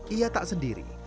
ia tak sendiri